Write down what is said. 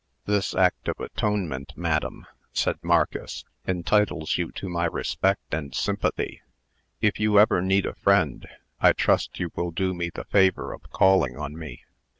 "This act of atonement, madam," said Marcus, "entitles you to my respect and sympathy. If you ever need a friend, I trust you will do me the favor of calling on me."